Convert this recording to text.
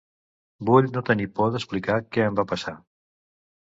Vull no tenir por d’explicar què em va passar.